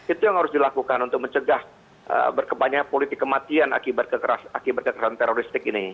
itu yang harus dilakukan untuk mencegah berkebanyak politik kematian akibat kekerasan teroristik ini